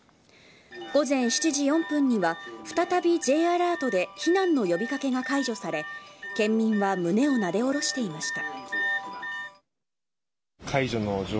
午前７時４分には再びＪアラートで避難の呼び掛けが解除され県民は胸をなで下ろしていました。